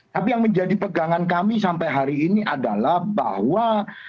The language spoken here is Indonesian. tapi yang menjadi pegangan kami sampai hari ini adalah bahwa